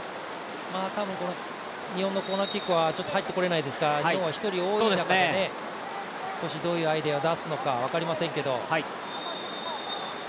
日本のコーナーキックは入ってこられないですから、日本は１人多い中で少しどういうアイデア出すのか分かりませんけれども。